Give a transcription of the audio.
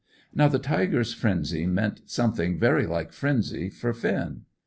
Now the tiger's frenzy meant something very like frenzy for Finn.